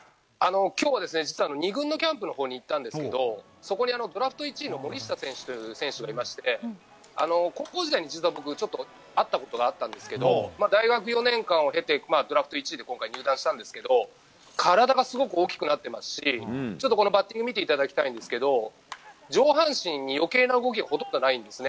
きょうはですね、実は２軍のキャンプのほうに行ったんですけど、そこにドラフト１位の森下選手という選手がいまして、高校時代に一度僕、ちょっと会ったことがあったんですけど、大学４年間を経てドラフト１位で今回、入団したんですけれども、体がすごく大きくなってますし、ちょっとこのバッティング見ていただきたいんですけど、上半身によけいな動きがほとんどないんですね。